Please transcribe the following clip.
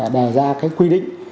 đề ra cái quy định